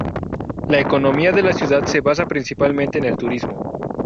La economía de la ciudad se basa principalmente en el turismo.